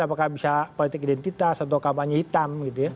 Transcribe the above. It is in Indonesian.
apakah bisa politik identitas atau kampanye hitam gitu ya